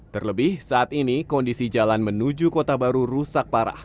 terlebih saat ini kondisi jalan menuju kota baru rusak parah